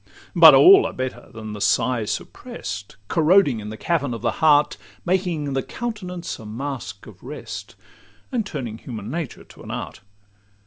But all are better than the sigh supprest, Corroding in the cavern of the heart, Making the countenance a masque of rest, And turning human nature to an art.